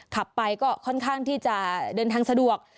ขับไปก็ค่อนข้างที่จะเดินทางสะดวก